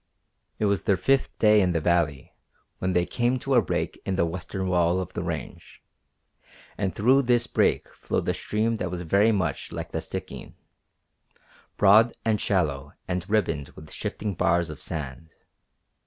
It was their fifth day in the valley when they came to a break in the western wall of the range, and through this break flowed a stream that was very much like the Stikine, broad and shallow and ribboned with shifting bars of sand.